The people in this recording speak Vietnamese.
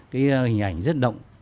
hình ảnh rất động